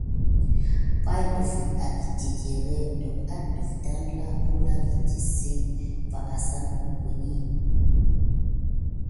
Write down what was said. Pay ɗəfiŋ agəte titiré naku negəlke ikil kulan va kirzel adawuteki va tisic asane mokoni.